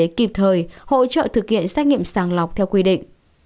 báo cáo ngay cho trạm y tế kịp thời hỗ trợ thực hiện xét nghiệm sàng lọc theo quy định